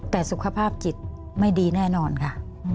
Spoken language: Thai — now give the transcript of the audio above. แต่สุขภาพจิตไม่ดีแน่นอนค่ะ